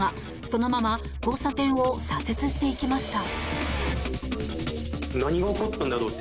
そのまま交差点を左折していきました。